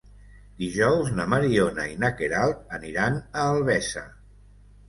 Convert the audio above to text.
Dijous na Mariona i na Queralt aniran a Albesa.